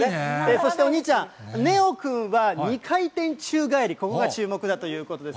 そしてお兄ちゃん、寧王君は２回転宙返り、ここが注目だということです。